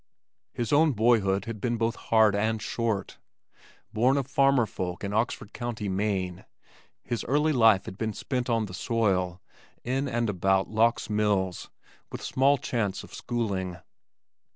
His own boyhood had been both hard and short. Born of farmer folk in Oxford County, Maine, his early life had been spent on the soil in and about Lock's Mills with small chance of schooling.